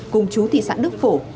cùng chú thị sản đức phổ